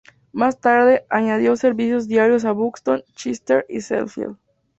Más tarde, añadió servicios diarios a Buxton, Chester y Sheffield.